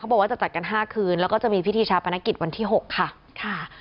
บอกว่าจะจัดกัน๕คืนแล้วก็จะมีพิธีชาปนกิจวันที่๖ค่ะค่ะ